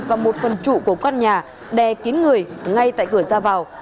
và một phần trụ của căn nhà đè kín người ngay tại cửa ra vào